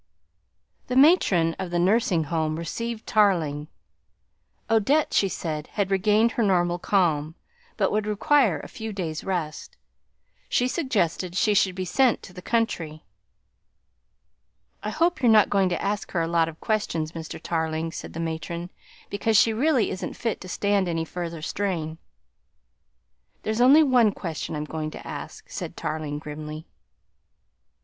The matron of the nursing home received Tarling. Odette, she said, had regained her normal calm, but would require a few days' rest. She suggested she should be sent to the country. "I hope you're not going to ask her a lot of questions, Mr. Tarling," said the matron, "because she really isn't fit to stand any further strain." "There's only one question I'm going to ask," said Tarling grimly.